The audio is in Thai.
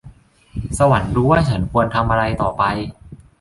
สวรรค์รู้ว่าฉันควรทำอะไรต่อไป